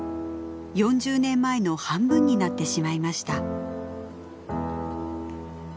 ４０年前の半分になってしまいました。